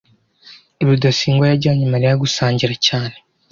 rudasingwa yajyanye mariya gusangira cyane